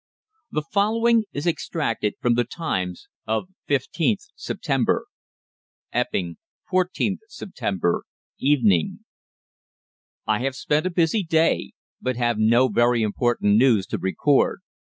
The following is extracted from the "Times" of 15th September: "EPPING, 14th September, Evening. "I have spent a busy day, but have no very important news to record.